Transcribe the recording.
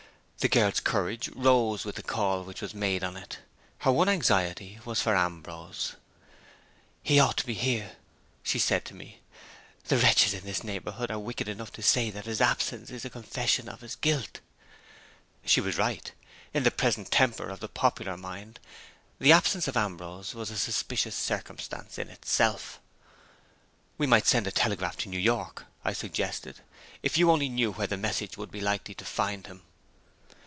The girl's courage rose with the call which was made on it. Her one anxiety was for Ambrose. "He ought to be here," she said to me. "The wretches in this neighborhood are wicked enough to say that his absence is a confession of his guilt." She was right. In the present temper of the popular mind, the absence of Ambrose was a suspicious circumstance in itself. "We might telegraph to New York," I suggested, "if you only knew where a message would be likely to find him."